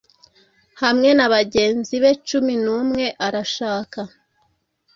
Hamwe na bagenzi be cumi numwe arashaka